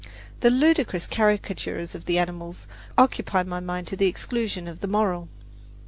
The ludicrous caricatures of the animals occupy my mind to the exclusion of the moral.